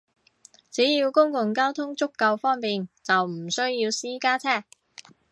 只要公共交通足夠方便，就唔需要私家車